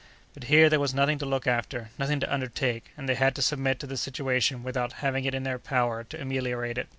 But here there was nothing to look after, nothing to undertake, and they had to submit to the situation, without having it in their power to ameliorate it.